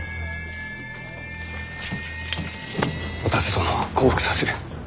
お田鶴殿は降伏させる。